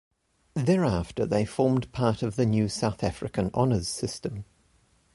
Thereafter they formed part of the new South African honours system.